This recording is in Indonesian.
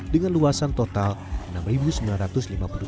dengan luasan total enam ribu sembilan ratus lima puluh tujuh meter persegi